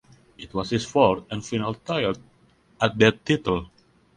It was his fourth and final tilt at that title.